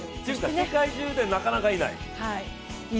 世界中でなかなかいない。